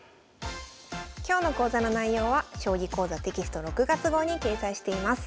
今日の講座の内容は「将棋講座」テキスト６月号に掲載しています。